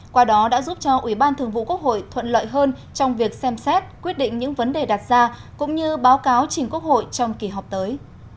qua đó đã giúp cho ubthqh thuận lợi hơn trong việc xem xét quyết định những vấn đề đặt ra cũng như báo cáo chính quốc hội trong kỳ họp tới